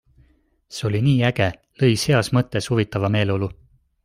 See oli nii äge - lõi heas mõttes huvitava meeleolu!